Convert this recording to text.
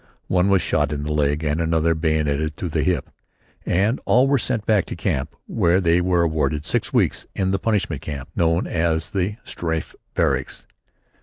One was shot in the leg and another bayoneted through the hip, and all were sent back to camp, where they were awarded six weeks in the punishment camp, known as the strafe barracks.